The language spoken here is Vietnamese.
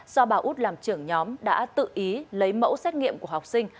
do bà út làm trưởng nhóm đã tự ý lấy mẫu xét nghiệm của học sinh